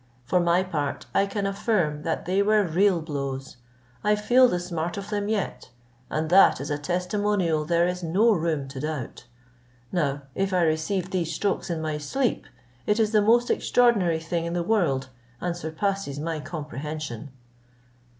For my part, I can affirm, that they were real blows; I feel the smart of them yet, and that is a testimonial there is no room to doubt. Now if I received these strokes in my sleep, it is the most extraordinary thing in the world, and surpasses my comprehension."